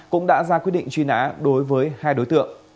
cũng đã ra quyết định truy nã đối với hai đối tượng